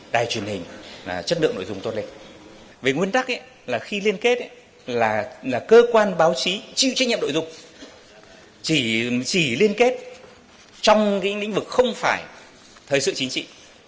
đài truyền hình là chất lượng nội dung tốt lịch về nguyên tắc là khi liên kết là cơ quan báo chí chịu trách nhiệm nội dung chỉ liên kết trong lĩnh vực không phải thời sự chính trị